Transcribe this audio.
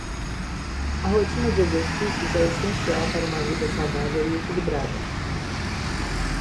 A rotina de exercícios é essencial para uma vida saudável e equilibrada.